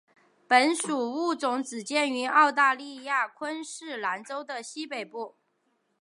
本属物种只见于澳大利亚昆士兰州的西北部。